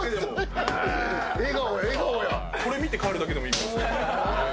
これ見て帰るだけでもいいかも。